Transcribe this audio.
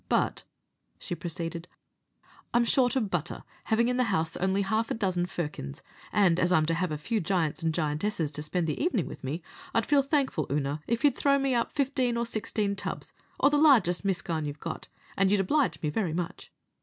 But," she proceeded, "I'm short of butter, having in the house only half a dozen firkins, and as I'm to have a few giants and giantesses to spend the evenin' with me, I'd feel thankful, Oonagh, if you'd throw me up fifteen or sixteen tubs, or the largest miscaun you have got, and you'll oblige me very much."